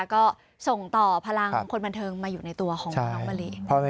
ก็ส่งต่อพลังคนบันเทิงมาอยู่ในตัวของน้องมะเลง